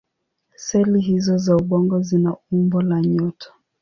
Seli hizO za ubongo zina umbo la nyota.